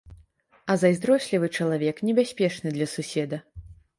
А зайздрослівы чалавек небяспечны для суседа.